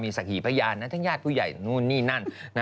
ศักหีพยานทั้งญาติผู้ใหญ่นู่นนี่นั่น